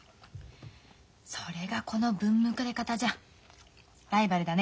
それがこのぶんむくれ方じゃライバルだね。